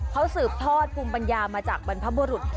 เขาสืบทอดภูมิปัญญามาจากบรรพบุรุษ